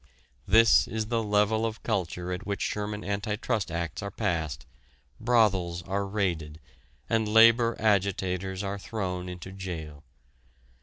This is the level of culture at which Sherman Anti Trust acts are passed, brothels are raided, and labor agitators are thrown into jail.